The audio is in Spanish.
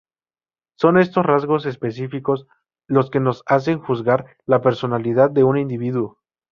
Son estos rasgos específicos los que nos hacen juzgar la personalidad de un individuo.